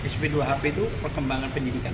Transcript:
sp dua hp itu perkembangan penyidikan